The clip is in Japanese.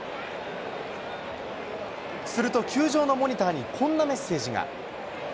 すると球場のモニターにこんなメッセージが。